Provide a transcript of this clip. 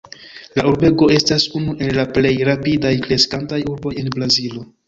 La urbego estas unu el la plej rapidaj kreskantaj urboj en Brazilo.